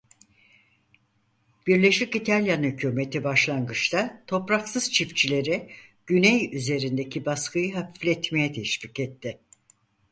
Birleşik İtalyan hükûmeti başlangıçta topraksız çiftçileri Güney üzerindeki baskıyı hafifletmeye teşvik etti.